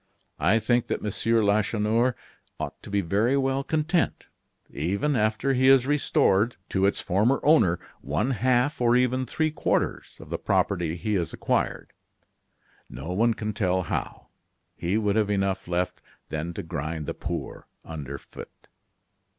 I think that Monsieur Lacheneur ought to be very well content, even after he has restored to its former owner one half or even three quarters of the property he has acquired no one can tell how. He would have enough left then to grind the poor under foot."